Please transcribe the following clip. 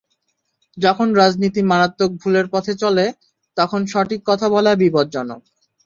যখন রাজনীতি মারাত্মক ভুলের পথে চলে, তখন সঠিক কথা বলা বিপজ্জনক।